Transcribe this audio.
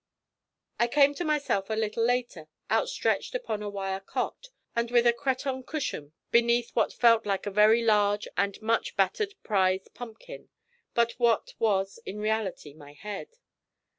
I came to myself a little later, outstretched upon a wire cot, and with a cretonne cushion beneath what felt like a very large and much battered prize pumpkin, but what was in reality my head.